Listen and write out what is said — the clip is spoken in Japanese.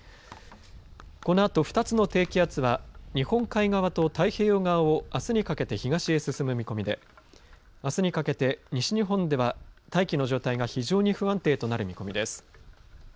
このあと２つの低気圧は日本海側と太平洋側をあすにかけて東へ進む見込みであすにかけて西日本では大気の状態が非常に不安定となる見込みです。